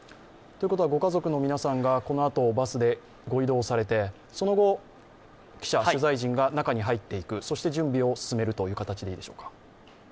ご家族の皆さんがこのあとバスでご移動されてその後、記者、取材陣が中に入っていくそして準備を進めるという形でいいでしょうか。